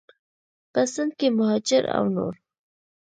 په سند کې مهاجر او نور